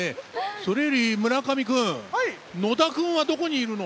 それより村上くん、野田くんは、どこにいるの？